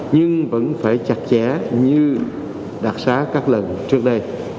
nhưng vẫn phải chặt chẽ như đặc xá các lần trước đây